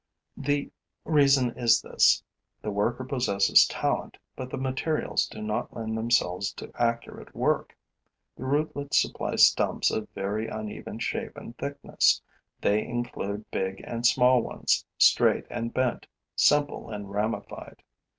The reason is this: the worker possesses talent, but the materials do not lend themselves to accurate work. The rootlets supply stumps of very uneven shape and thickness. They include big and small ones, straight and bent, simple and ramified.